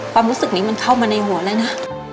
ความรู้สึกนี้มันเข้ามาในหัวแล้วนะ